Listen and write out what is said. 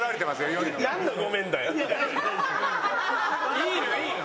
いいのいいの。